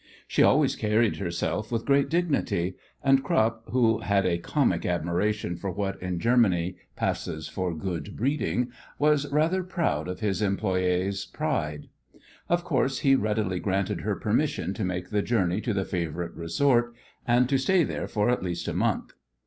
She always carried herself with great dignity, and Krupp, who had a comic admiration for what in Germany passes for good breeding, was rather proud of his employée's pride. Of course, he readily granted her permission to make the journey to the favourite resort, and to stay there for at least a month.